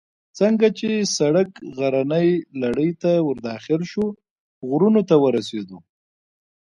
څنګه چې سړک غرنۍ لړۍ ته ور داخل شو، غرونو ته ورسېدو.